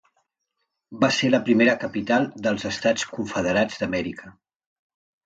Va ser la primera capital dels Estats Confederats d'Amèrica.